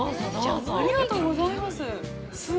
◆ありがとうございます。